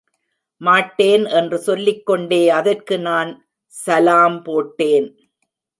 மாட்டேன் என்று சொல்லிக்கொண்டே அதற்கு நான் ஸலாம் போட்டேன்.